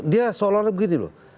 dia seolah olah begini loh